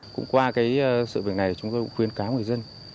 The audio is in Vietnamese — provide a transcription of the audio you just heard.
cũng qua cái sự việc này chúng tôi cũng khuyến cáo người dân